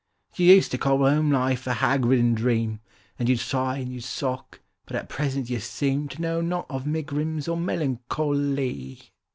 —"You used to call home life a hag ridden dream, And you'd sigh, and you'd sock; but at present you seem To know not of megrims or melancho ly!"